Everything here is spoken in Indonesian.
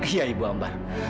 iya ibu ambar